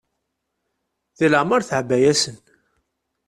Deg leɛmer teɛba-yasen.